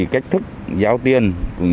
cách thức giao tiền